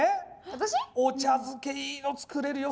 私？